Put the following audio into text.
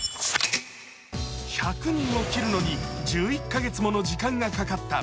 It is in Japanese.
１００人を切るのに１１カ月もの時間がかかった。